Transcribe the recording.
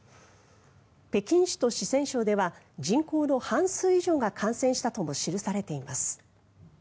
北京市と四川省では人口の半数以上が感染したとも記されています。